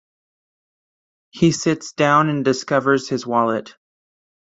He sits down and discovers his wallet.